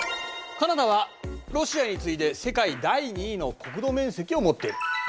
カナダはロシアに次いで世界第２位の国土面積を持っている。